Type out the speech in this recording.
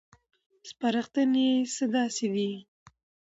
سپارښتنې یې څه داسې دي: